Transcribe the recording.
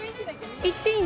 行っていい？